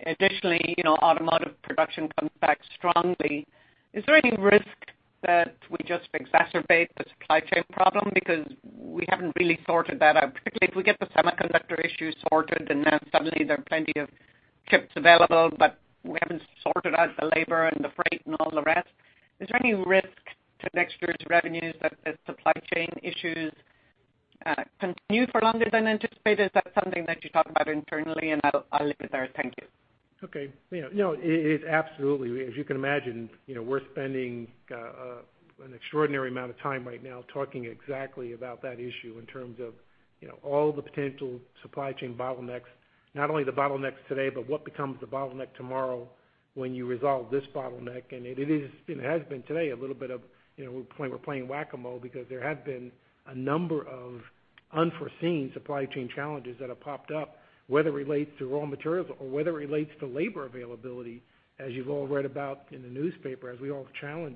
additionally, you know, automotive production comes back strongly, is there any risk that we just exacerbate the supply chain problem? Because we haven't really sorted that out, particularly if we get the semiconductor issue sorted and then suddenly there are plenty of chips available, but we haven't sorted out the labor and the freight and all the rest. Is there any risk to next year's revenues that the supply chain issues continue for longer than anticipated? Is that something that you talk about internally? I'll leave it there. Thank you. Yeah, it absolutely. As you can imagine, you know, we're spending an extraordinary amount of time right now talking exactly about that issue in terms of, you know, all the potential supply chain bottlenecks, not only the bottlenecks today, but what becomes the bottleneck tomorrow when you resolve this bottleneck. It is and has been today a little bit of, you know, we're playing Whac-A-Mole because there have been a number of unforeseen supply chain challenges that have popped up, whether it relates to raw materials or whether it relates to labor availability, as you've all read about in the newspaper, as we all struggle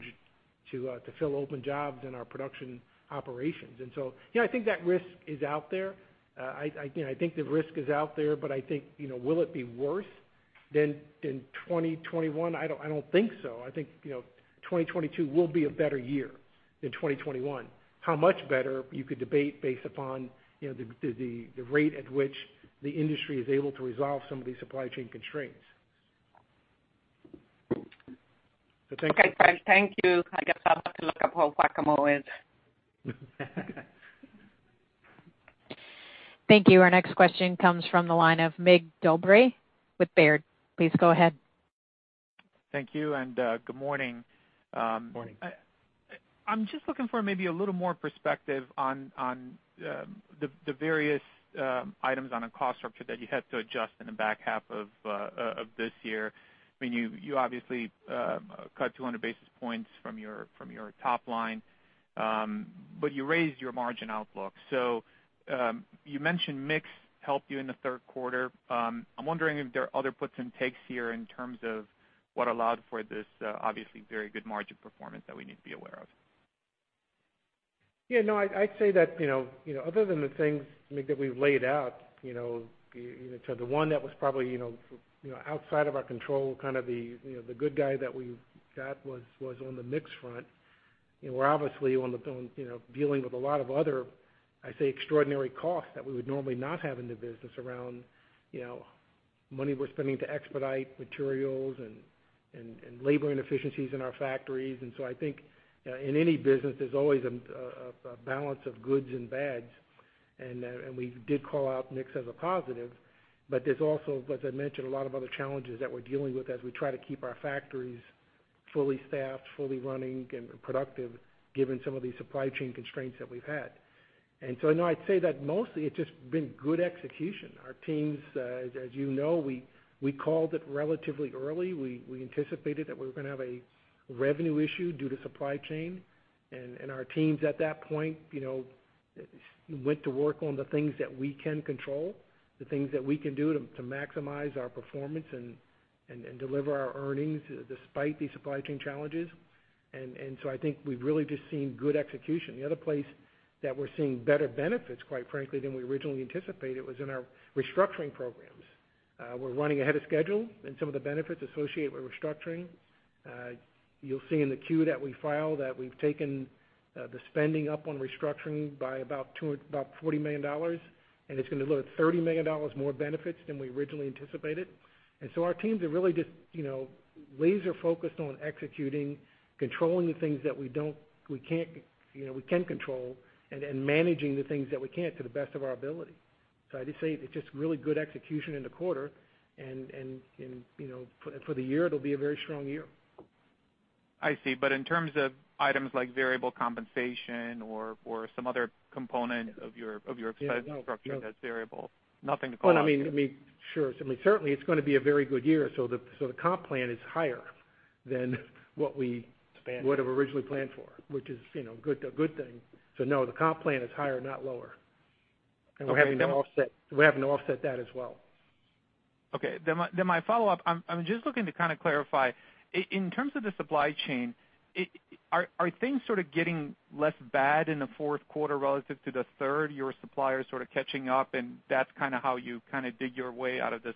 to fill open jobs in our production operations. You know, I think that risk is out there. I think the risk is out there, but I think, you know, will it be worse than in 2021? I don't think so. I think, you know, 2022 will be a better year than 2021. How much better you could debate based upon, you know, the rate at which the industry is able to resolve some of these supply chain constraints. Thank you. Okay, Craig. Thank you. I guess I'll have to look up what Whac-A-Mole is. Thank you. Our next question comes from the line of Mig Dobre with Baird. Please go ahead. Thank you, and good morning. Morning. I'm just looking for maybe a little more perspective on the various items on a cost structure that you had to adjust in the back half of this year. I mean, you obviously cut 200 basis points from your top line, but you raised your margin outlook. You mentioned mix helped you in the third quarter. I'm wondering if there are other puts and takes here in terms of what allowed for this obviously very good margin performance that we need to be aware of. I'd say that, you know, other than the things, Mig, that we've laid out, you know, to the one that was probably, you know, outside of our control, kind of the good guy that we got was on the mix front. You know, we're obviously on the, you know, dealing with a lot of other, I say, extraordinary costs that we would normally not have in the business around, you know, money we're spending to expedite materials and labor inefficiencies in our factories. So I think in any business, there's always a balance of goods and bads. We did call out mix as a positive, but there's also, as I mentioned, a lot of other challenges that we're dealing with as we try to keep our factories fully staffed, fully running and productive given some of these supply chain constraints that we've had. I know I'd say that mostly it's just been good execution. Our teams, as you know, we called it relatively early. We anticipated that we were gonna have a revenue issue due to supply chain. Our teams at that point, you know, went to work on the things that we can control, the things that we can do to maximize our performance and deliver our earnings despite these supply chain challenges. I think we've really just seen good execution. The other place that we're seeing better benefits, quite frankly, than we originally anticipated was in our restructuring programs. We're running ahead of schedule on some of the benefits associated with restructuring. You'll see in the Q that we filed that we've taken the spending up on restructuring by about $40 million, and it's gonna deliver $30 million more benefits than we originally anticipated. Our teams are really just, you know, laser focused on executing, controlling the things that we can control and managing the things that we can't to the best of our ability. It's just really good execution in the quarter. For the year, it'll be a very strong year. I see. In terms of items like variable compensation or some other component of your Yeah, no structure that's variable. Nothing to call out there? Well, I mean, sure. I mean, certainly it's gonna be a very good year, so the comp plan is higher than what we- Spanned, yeah would've originally planned for, which is, you know, good, a good thing. No, the comp plan is higher, not lower. Okay. We're having to offset that as well. Okay. My follow-up, I'm just looking to kinda clarify. In terms of the supply chain, are things sort of getting less bad in the fourth quarter relative to the third? Your suppliers sorta catching up, and that's kinda how you kinda dig your way out of this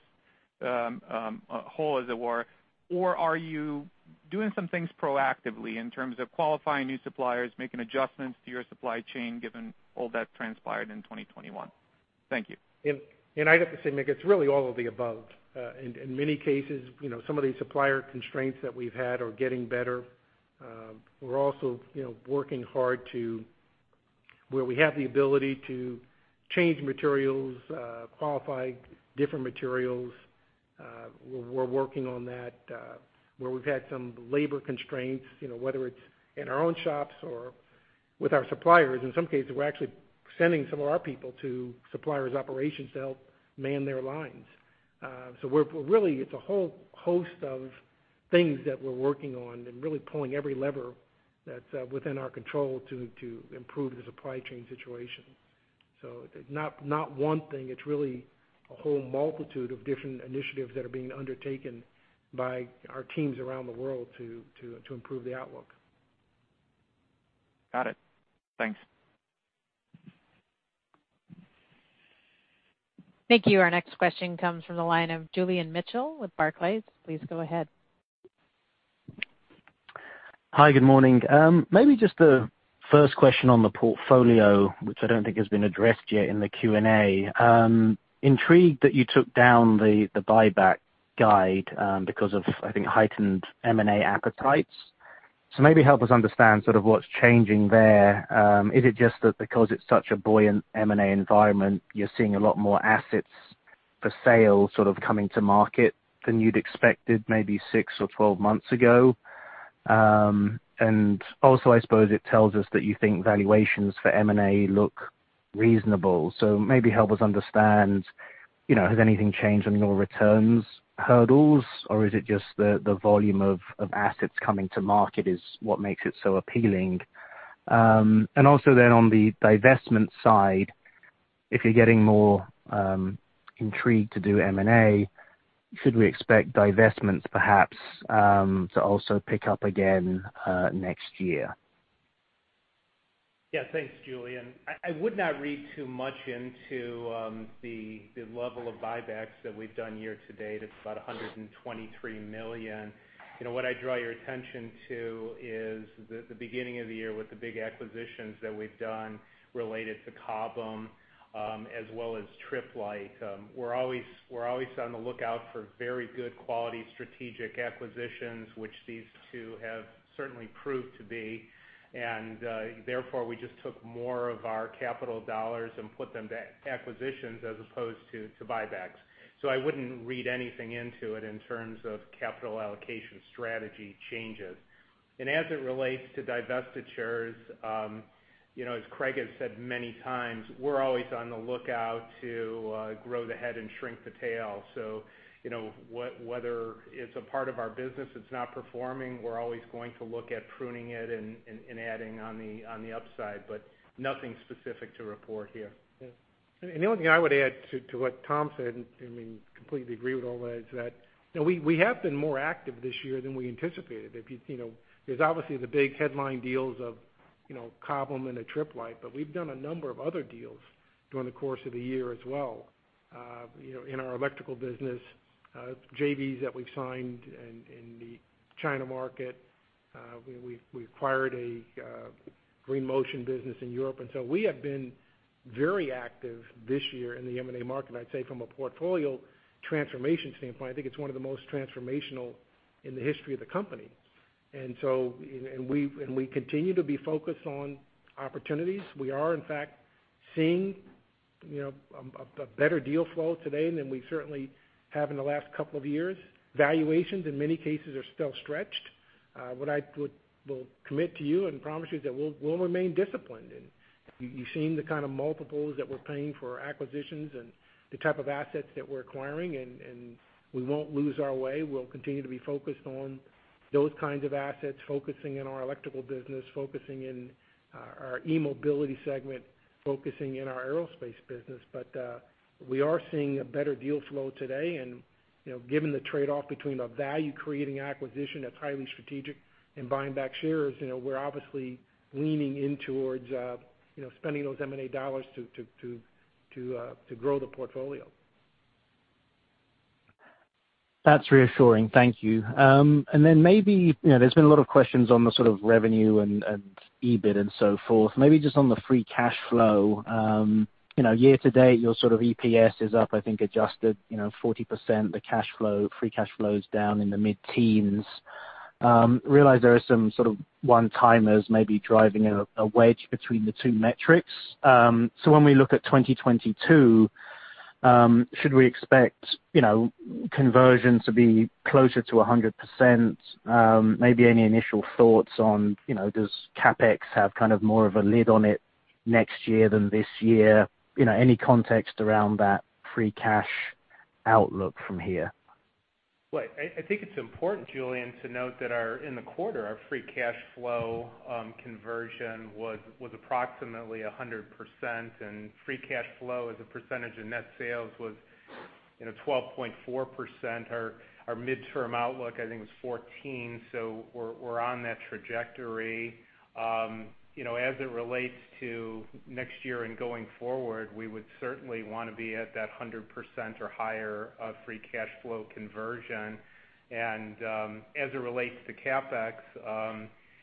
hole, as it were? Or are you doing some things proactively in terms of qualifying new suppliers, making adjustments to your supply chain given all that transpired in 2021? Thank you. I'd have to say, Mig, it's really all of the above. In many cases, you know, some of these supplier constraints that we've had are getting better. We're also, you know, working hard to where we have the ability to change materials, qualify different materials, we're working on that. Where we've had some labor constraints, you know, whether it's in our own shops or with our suppliers. In some cases, we're actually sending some of our people to suppliers' operations to help man their lines. We're really, it's a whole host of things that we're working on and really pulling every lever that's within our control to improve the supply chain situation. Not one thing, it's really a whole multitude of different initiatives that are being undertaken by our teams around the world to improve the outlook. Got it. Thanks. Thank you. Our next question comes from the line of Julian Mitchell with Barclays. Please go ahead. Hi, good morning. Maybe just the first question on the portfolio, which I don't think has been addressed yet in the Q&A. I'm intrigued that you took down the buyback guide, because of, I think, heightened M&A appetites. Maybe help us understand sort of what's changing there. Is it just that because it's such a buoyant M&A environment, you're seeing a lot more assets for sale sort of coming to market than you'd expected maybe 6 or 12 months ago? Also, I suppose it tells us that you think valuations for M&A look reasonable. Maybe help us understand, you know, has anything changed on your returns hurdles, or is it just the volume of assets coming to market is what makes it so appealing? On the divestment side, if you're getting more intrigued to do M&A, should we expect divestments perhaps to also pick up again next year? Yeah, thanks, Julian. I would not read too much into the level of buybacks that we've done year to date. It's about $123 million. You know, what I draw your attention to is the beginning of the year with the big acquisitions that we've done related to Cobham as well as Tripp Lite. We're always on the lookout for very good quality strategic acquisitions, which these two have certainly proved to be. Therefore, we just took more of our capital dollars and put them to acquisitions as opposed to buybacks. I wouldn't read anything into it in terms of capital allocation strategy changes. As it relates to divestitures, you know, as Craig has said many times, we're always on the lookout to grow the head and shrink the tail. You know, whether it's a part of our business that's not performing, we're always going to look at pruning it and adding on the upside. Nothing specific to report here. Yeah. The only thing I would add to what Tom said, I mean, completely agree with all that, is that, you know, we have been more active this year than we anticipated. If you know, there's obviously the big headline deals of, you know, Cobham and the Tripp Lite, but we've done a number of other deals during the course of the year as well. You know, in our electrical business, JVs that we've signed in the China market, we acquired a Green Motion business in Europe. We have been very active this year in the M&A market. I'd say from a portfolio transformation standpoint, I think it's one of the most transformational in the history of the company. We continue to be focused on opportunities. We are in fact seeing. You know, a better deal flow today than we certainly have in the last couple of years. Valuations in many cases are still stretched. What I will commit to you and promise you is that we'll remain disciplined and you've seen the kind of multiples that we're paying for our acquisitions and the type of assets that we're acquiring, and we won't lose our way. We'll continue to be focused on those kinds of assets, focusing in our electrical business, focusing in our e-mobility segment, focusing in our aerospace business. We are seeing a better deal flow today, and you know, given the trade-off between a value-creating acquisition that's highly strategic and buying back shares, you know, we're obviously leaning in towards, you know, spending those M&A dollars to grow the portfolio. That's reassuring. Thank you. Maybe, you know, there's been a lot of questions on the sort of revenue and EBIT and so forth. Maybe just on the free cash flow. You know, year to date, your sort of EPS is up, I think, adjusted, you know, 40%. The cash flow, free cash flow is down in the mid-teens. Realize there are some sort of one-timers maybe driving a wedge between the two metrics. When we look at 2022, should we expect, you know, conversion to be closer to 100%? Maybe any initial thoughts on, you know, does CapEx have kind of more of a lid on it next year than this year? You know, any context around that free cash outlook from here? Well, I think it's important, Julian, to note that in the quarter, our free cash flow conversion was approximately 100%, and free cash flow as a percentage of net sales was, you know, 12.4%. Our midterm outlook, I think, was 14%, so we're on that trajectory. You know, as it relates to next year and going forward, we would certainly wanna be at that 100% or higher of free cash flow conversion. As it relates to CapEx,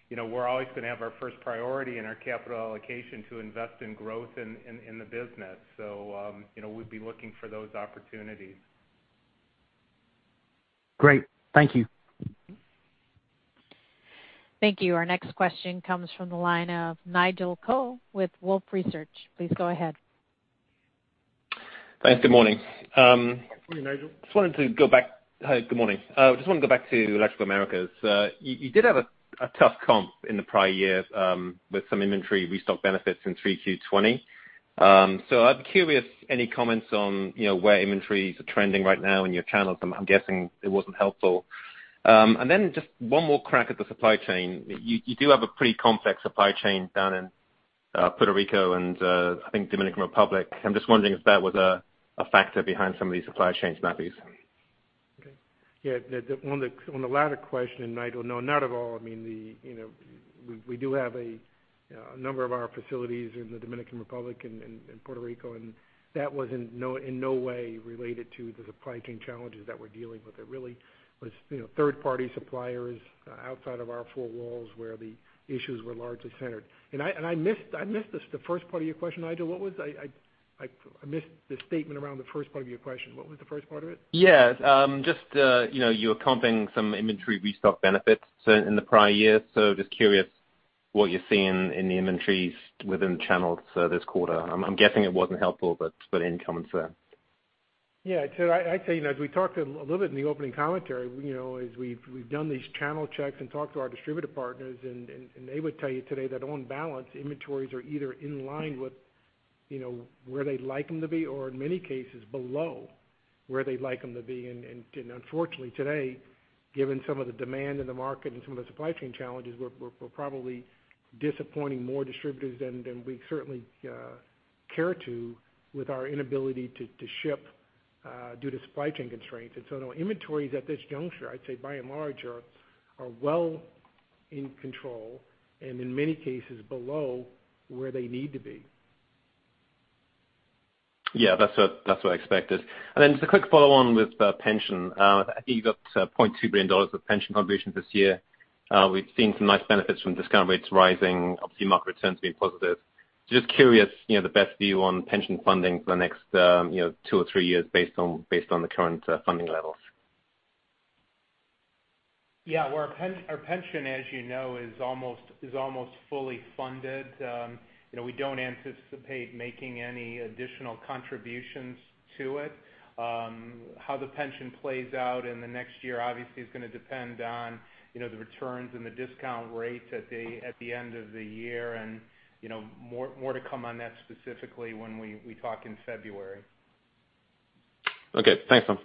you know, we're always gonna have our first priority in our capital allocation to invest in growth in the business. You know, we'd be looking for those opportunities. Great. Thank you. Thank you. Our next question comes from the line of Nigel Coe with Wolfe Research. Please go ahead. Thanks. Good morning. Good morning, Nigel. Hi, good morning. I just wanna go back to Electrical Americas. You did have a tough comp in the prior year with some inventory restock benefits in 3Q 2020. I'm curious, any comments on, you know, where inventories are trending right now in your channels? I'm guessing it wasn't helpful. And then just one more crack at the supply chain. You do have a pretty complex supply chain down in Puerto Rico and I think Dominican Republic. I'm just wondering if that was a factor behind some of these supply chain snags. Okay. Yeah, on the latter question, Nigel, no, not at all. I mean, you know, we do have a number of our facilities in the Dominican Republic and Puerto Rico, and that was in no way related to the supply chain challenges that we're dealing with. It really was, you know, third party suppliers outside of our four walls where the issues were largely centered. I missed the first part of your question, Nigel. What was it? I missed the statement around the first part of your question. What was the first part of it? Yeah. Just, you know, you're comping some inventory restock benefits, so, in the prior year. Just curious what you're seeing in the inventories within the channels, this quarter. I'm guessing it wasn't helpful, but any comments there. Yeah. I'd say, you know, as we talked a little bit in the opening commentary, you know, as we've done these channel checks and talked to our distributor partners, and they would tell you today that on balance, inventories are either in line with, you know, where they'd like them to be, or in many cases below where they'd like them to be. Unfortunately today, given some of the demand in the market and some of the supply chain challenges, we're probably disappointing more distributors than we'd certainly care to with our inability to ship due to supply chain constraints. Inventories at this juncture, I'd say by and large are well in control and in many cases below where they need to be. Yeah. That's what I expected. Just a quick follow on with pension. I think you've got $0.2 billion of pension contribution this year. We've seen some nice benefits from discount rates rising. Obviously, market returns being positive. Just curious, you know, the best view on pension funding for the next two or three years based on the current funding levels. Yeah. Our pension, as you know, is almost fully funded. You know, we don't anticipate making any additional contributions to it. How the pension plays out in the next year obviously is gonna depend on, you know, the returns and the discount rate at the end of the year. You know, more to come on that specifically when we talk in February. Okay. Thanks, Tom.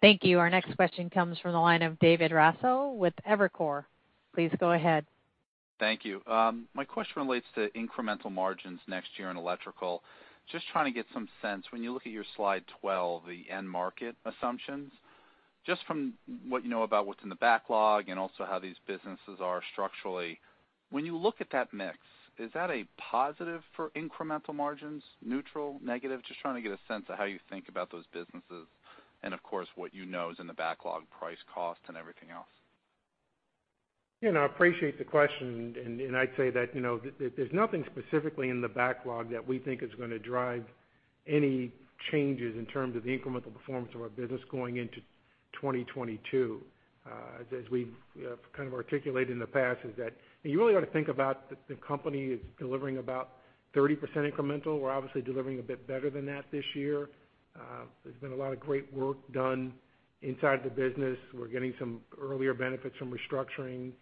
Thank you. Our next question comes from the line of David Raso with Evercore. Please go ahead. Thank you. My question relates to incremental margins next year in Electrical. Just trying to get some sense. When you look at your slide 12, the end market assumptions, just from what you know about what's in the backlog and also how these businesses are structurally, when you look at that mix, is that a positive for incremental margins, neutral, negative? Just trying to get some sense of how you think about those businesses and of course, what you know is in the backlog price, cost and everything else. You know, I appreciate the question and I'd say that, you know, there's nothing specifically in the backlog that we think is gonna drive any changes in terms of the incremental performance of our business going into 2022, as we've you know kind of articulated in the past is that you really ought to think about the company is delivering about 30% incremental. We're obviously delivering a bit better than that this year. There's been a lot of great work done inside the business. We're getting some earlier benefits from restructuring.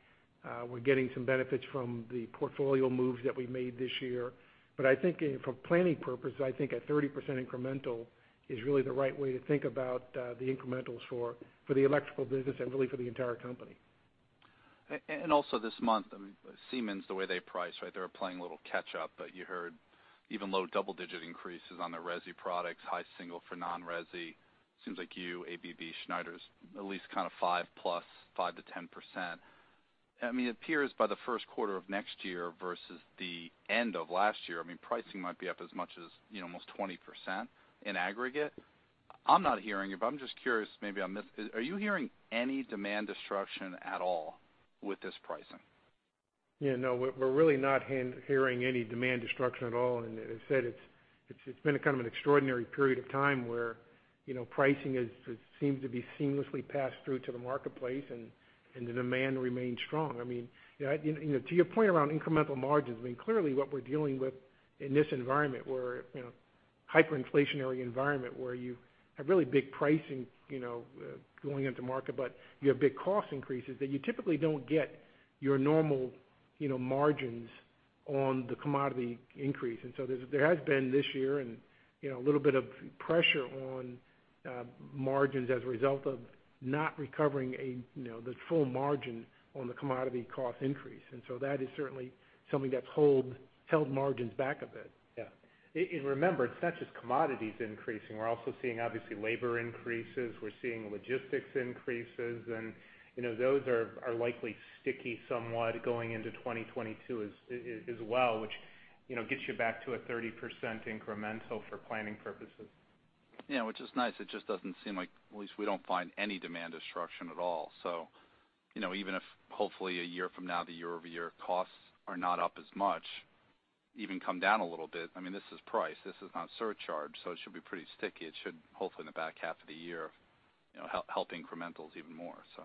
We're getting some benefits from the portfolio moves that we made this year. But I think, you know, for planning purposes, I think a 30% incremental is really the right way to think about the incrementals for the electrical business and really for the entire company. Also this month, I mean, Siemens, the way they price, right, they're playing a little catch up. You heard even low double-digit increases on their resi products, high single for non-resi. Seems like you, ABB, Schneider's at least kind of 5+, 5%-10%. I mean, it appears by the first quarter of next year versus the end of last year, I mean, pricing might be up as much as, you know, almost 20% in aggregate. I'm not hearing it, but I'm just curious, maybe I'm mis- Are you hearing any demand destruction at all with this pricing? Yeah, no, we're really not hearing any demand destruction at all. As I said, it's been a kind of an extraordinary period of time where, you know, pricing seems to be seamlessly passed through to the marketplace and the demand remains strong. I mean, yeah, you know, to your point around incremental margins, I mean, clearly what we're dealing with in this environment where, you know, hyperinflationary environment, where you have really big pricing, you know, going into market, but you have big cost increases, that you typically don't get your normal, you know, margins on the commodity increase. \ There has been this year and, you know, a little bit of pressure on margins as a result of not recovering, you know, the full margin on the commodity cost increase. That is certainly something that's held margins back a bit. Yeah. Remember, it's not just commodities increasing. We're also seeing, obviously, labor increases. We're seeing logistics increases. You know, those are likely sticky somewhat going into 2022 as well, which, you know, gets you back to a 30% incremental for planning purposes. Yeah, which is nice. It just doesn't seem like, at least we don't find any demand destruction at all. You know, even if hopefully a year from now, the year-over-year costs are not up as much, even come down a little bit. I mean, this is price. This is not surcharge, so it should be pretty sticky. It should, hopefully in the back half of the year, you know, help incrementals even more so.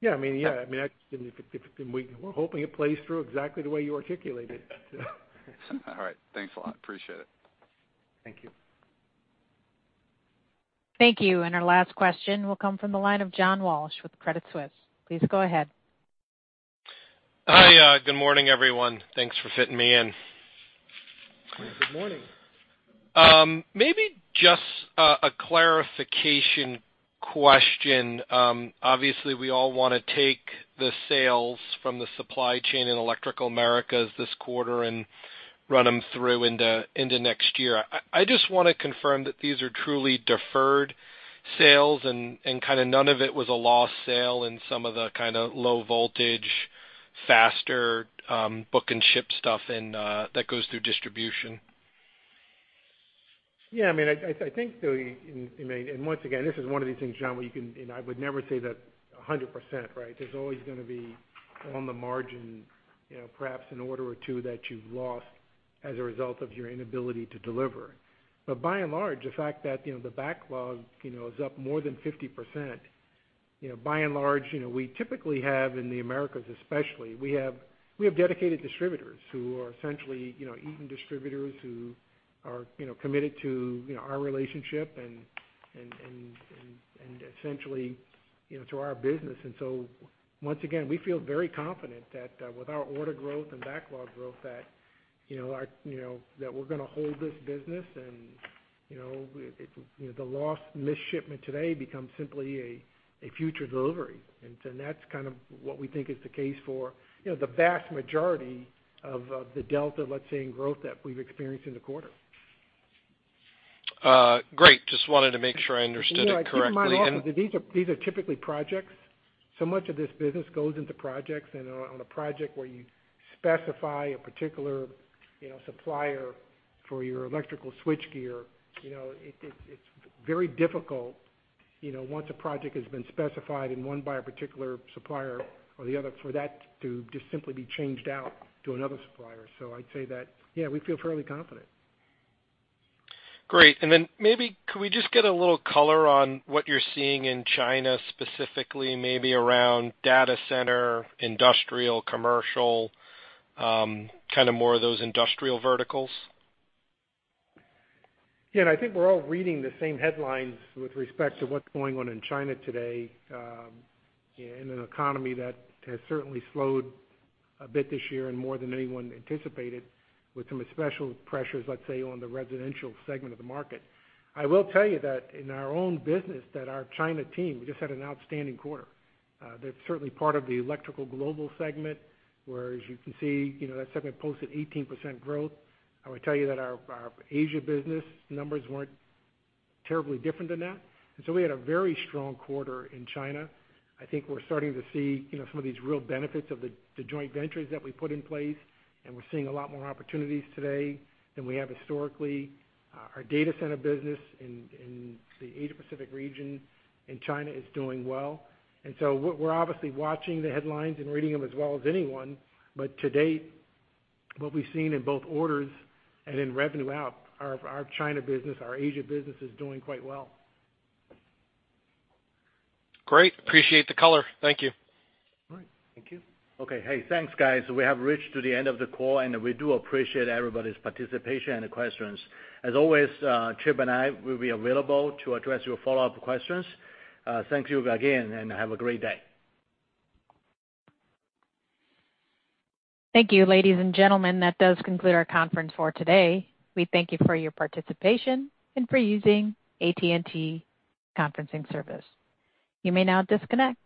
Yeah. I mean, we're hoping it plays through exactly the way you articulated it. All right. Thanks a lot. Appreciate it. Thank you. Thank you. Our last question will come from the line of John Walsh with Credit Suisse. Please go ahead. Hi. Good morning, everyone. Thanks for fitting me in. Good morning. Maybe just a clarification question. Obviously, we all wanna take the sales from the supply chain in Electrical Americas this quarter and run them through into next year. I just wanna confirm that these are truly deferred sales and kinda none of it was a lost sale in some of the kinda low voltage, faster, book and ship stuff and that goes through distribution. Yeah. I mean, I think, though, and once again, this is one of the things, John, and I would never say that 100%, right? There's always gonna be on the margin, you know, perhaps an order or two that you've lost as a result of your inability to deliver. By and large, the fact that, you know, the backlog, you know, is up more than 50%, you know, by and large, you know, we typically have in the Americas especially. We have dedicated distributors who are essentially, you know, Eaton distributors who are, you know, committed to, you know, our relationship and essentially, you know, to our business. Once again, we feel very confident that with our order growth and backlog growth that you know our you know that we're gonna hold this business and you know it you know the lost missed shipment today becomes simply a future delivery. And that's kind of what we think is the case for you know the vast majority of the delta let's say in growth that we've experienced in the quarter. Great. Just wanted to make sure I understood it correctly. Keep in mind also that these are typically projects. Much of this business goes into projects. On a project where you specify a particular, you know, supplier for your electrical switchgear, you know, it's very difficult, you know, once a project has been specified and won by a particular supplier or the other, for that to just simply be changed out to another supplier. I'd say that, yeah, we feel fairly confident. Great. Maybe could we just get a little color on what you're seeing in China, specifically maybe around data center, industrial, commercial, kinda more of those industrial verticals? Yeah. I think we're all reading the same headlines with respect to what's going on in China today, in an economy that has certainly slowed a bit this year and more than anyone anticipated with some special pressures, let's say, on the residential segment of the market. I will tell you that in our own business that our China team just had an outstanding quarter. They're certainly part of the Electrical Global segment, where, as you can see, you know, that segment posted 18% growth. I would tell you that our Asia business numbers weren't terribly different than that. We had a very strong quarter in China. I think we're starting to see, you know, some of these real benefits of the joint ventures that we put in place, and we're seeing a lot more opportunities today than we have historically. Our data center business in the Asia Pacific region in China is doing well. We're obviously watching the headlines and reading them as well as anyone. To date, what we've seen in both orders and in revenue, our China business, our Asia business is doing quite well. Great. Appreciate the color. Thank you. All right. Thank you. Okay. Hey, thanks, guys. We have reached to the end of the call, and we do appreciate everybody's participation and the questions. As always, Chip and I will be available to address your follow-up questions. Thank you again, and have a great day. Thank you, ladies and gentlemen. That does conclude our conference for today. We thank you for your participation and for using AT&T Conferencing Service. You may now disconnect.